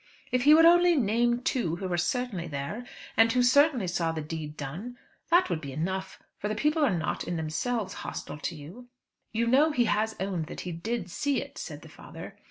If he would only name two who were certainly there, and who certainly saw the deed done, that would be enough; for the people are not, in themselves, hostile to you." "You know he has owned that he did see it," said the father.